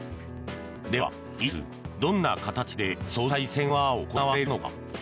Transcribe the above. では、いつ、どんな形で総裁選は行われるのか。